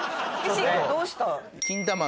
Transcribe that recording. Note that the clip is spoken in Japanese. どうした？